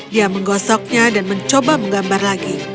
dia menggosoknya dan mencoba menggambar lagi